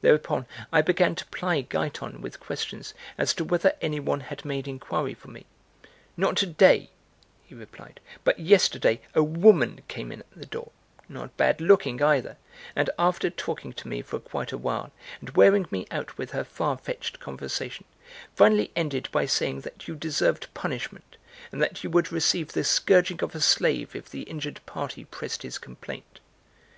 Thereupon,) I began to ply Giton with questions as to whether anyone had made inquiry for me; "Not today," he replied, "but yesterday a woman came in at the door, not bad looking, either, and after talking to me for quite a while, and wearing me out with her far fetched conversation, finally ended by saying that you deserved punishment, and that you would receive the scourging of a slave if the injured party pressed his complaint."